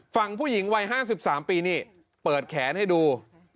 ฝั่งผู้หญิงวัย๕๓ปีนี่เปิดแขนให้ดู